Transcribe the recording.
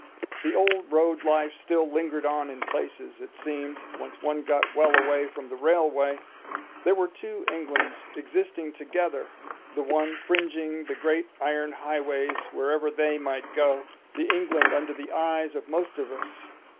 The old road life still lingered on in places, it seemed, once one got well away from the railway: there were two Englands existing together, the one fringing the great iron highways wherever they might go—the England under the eyes of most of us.